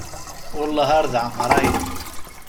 Welleh ar d ɛemrayen.